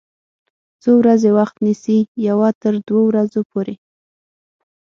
څو ورځې وخت نیسي؟ یوه تر دوه ورځو پوری